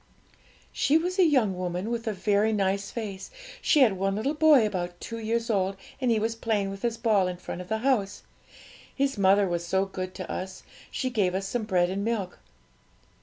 'She was a young woman with a very nice face; she had one little boy about two years old, and he was playing with his ball in front of the house. His mother was so good to us she gave us some bread and milk.'